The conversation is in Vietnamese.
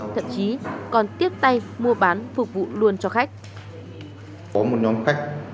thậm chí còn tiếp tay mua bán phục vụ luôn cho khách